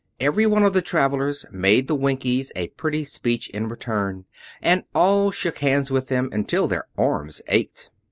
Every one of the travelers made the Winkies a pretty speech in return, and all shook hands with them until their arms ached.